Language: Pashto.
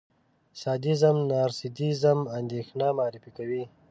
سادېزم، نارسېسېزم، اندېښنه معرفي کوي.